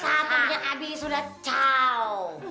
saatnya abi sudah jauh